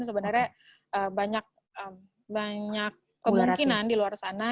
sebenarnya banyak kemungkinan di luar sana